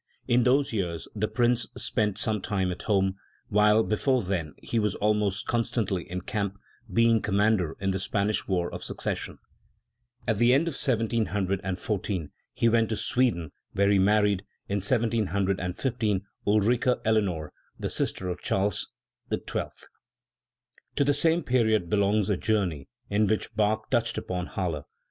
In those years the Prince spent some time at home, while before then he was almost constantly in camp, being commander in the Span ish War of Succession. At the end of 1714 he went to Sweden, where he married, in 1715, Ulrike Elenore, the sister of Charles XII*. To the same period belongs a journey in which Bach touched upon Halle.